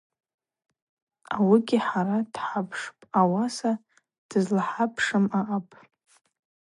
Ауыгьи хӏара дхӏапшпӏ, ауаса дызлахӏапшым аъапӏ.